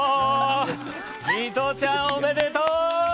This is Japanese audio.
ミトちゃん、おめでとう！